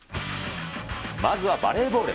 まずはバレーボール。